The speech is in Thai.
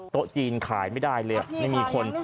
โต๊ะจีนขายไม่ได้เลยไม่มีคน